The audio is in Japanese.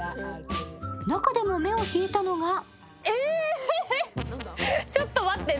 中でも目を引いたのがちょっと待って。